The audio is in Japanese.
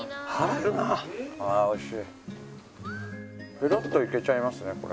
ペロッといけちゃいますねこれ。